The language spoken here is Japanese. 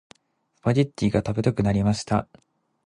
スパゲッティが食べたくなりました。